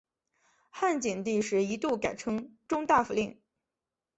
汉景帝时一度改称中大夫令。